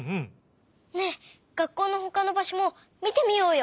ねえ学校のほかのばしょもみてみようよ！